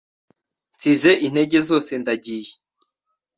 Nsize intege zose ndagiye